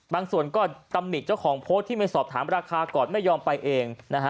ส่วนก็ตำหนิเจ้าของโพสต์ที่ไม่สอบถามราคาก่อนไม่ยอมไปเองนะฮะ